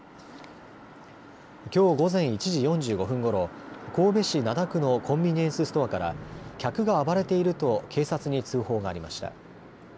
きょう午前１時４５分ごろ、神戸市灘区のコンビニエンスストアから客が暴れていると警察に通報がありました。